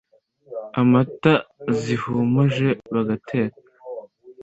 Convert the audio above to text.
Amata zihumuje bagateka.